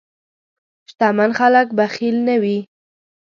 شتمن خلک بخیل نه وي.